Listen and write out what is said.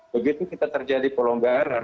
begitu kita terjadi pelonggaran